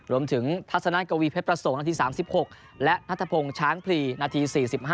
ทัศนากวีเพชรประสงค์นาที๓๖และนัทพงศ์ช้างพลีนาที๔๕